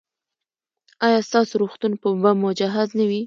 ایا ستاسو روغتون به مجهز نه وي؟